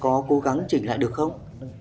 có cố gắng chỉnh lại được không